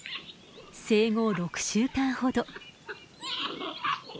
生後６週間ほど。